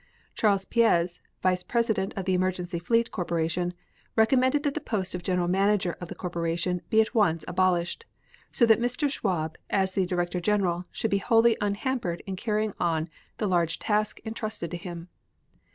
Charles Piez, Vice President of the Emergency Fleet Corporation, recommended that the post of General Manager of the corporation be at once abolished, so that Mr. Schwab as Director General should be wholly unhampered in carrying on the large task entrusted to him.